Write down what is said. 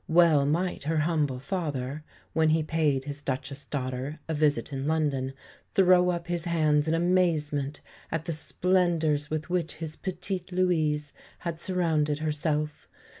Well might her humble father, when he paid his Duchess daughter a visit in London, throw up his hands in amazement at the splendours with which his "petite Louise" had surrounded herself!